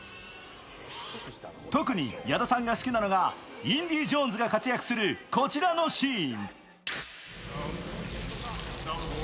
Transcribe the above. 特に矢田さんが好きなのがインディ・ジョーンズが活躍するこちらのシーン。